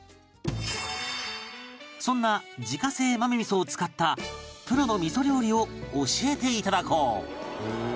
そんな自家製豆味噌を使ったプロの味噌料理を教えて頂こう